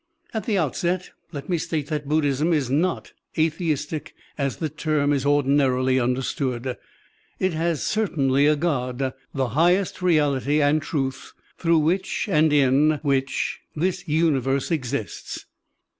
At the outset, let me state that Buddhism Is not atheistic as the term is ordinarily under stood. It has pertainly a God, the highest reality and truth, through which and in which this universe exists.